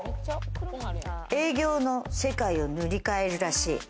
営業の世界を塗り替えるらしい。